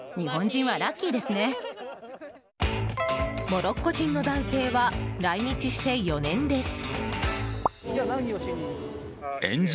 モロッコ人の男性は来日して４年です。